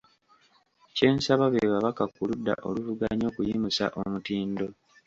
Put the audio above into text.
Kyensaba be babaka ku ludda oluvuganya okuyimusa omutindo.